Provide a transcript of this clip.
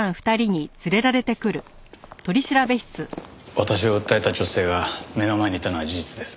私を訴えた女性が目の前にいたのは事実です。